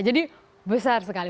jadi besar sekali